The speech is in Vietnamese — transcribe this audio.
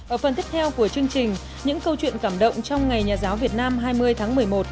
ở phần tiếp theo của chương trình những câu chuyện cảm động trong ngày nhà giáo việt nam hai mươi tháng một mươi một